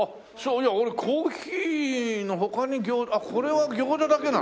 俺コーヒーの他にこれは餃子だけなの？